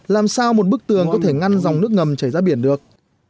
làm sao một bức tường có thể ngăn dòng nước ngầm chảy ra biển được